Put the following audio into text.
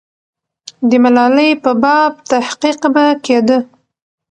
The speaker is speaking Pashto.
د ملالۍ په باب تحقیق به کېده.